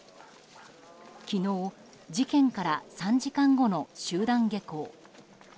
昨日、事件から３時間後の集団下校。